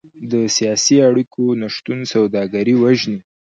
د سیاسي اړیکو نشتون سوداګري وژني.